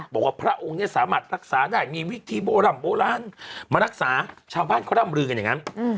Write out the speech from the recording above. พระองค์เนี่ยสามารถรักษาได้มีวิธีโบร่ำโบราณมารักษาชาวบ้านเขาร่ำลือกันอย่างนั้น